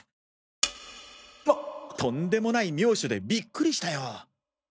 わっとんでもない妙手でビックリしたよ。